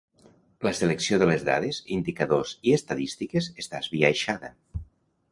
La selecció de les dades, indicadors i estadístiques està esbiaixada.